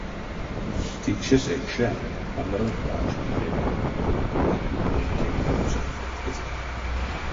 Тикшесь экше, панаронть пачк маряви, кода токи кутьмерентень росанть летькезэ.